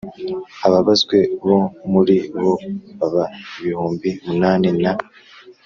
Ababazwe bo muri bo baba ibihumbi munani na